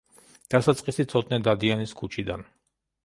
დასაწყისი ცოტნე დადიანის ქუჩიდან.